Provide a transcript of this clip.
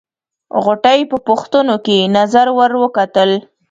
غوټۍ په پوښتونکې نظر ور وکتل.